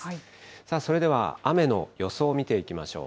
さあ、それでは雨の予想を見ていきましょう。